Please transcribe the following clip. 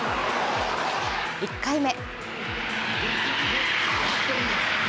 １回目。